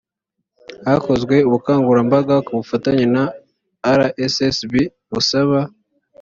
hakozwe ubukangurambaga ku bufatanye na rssb busaba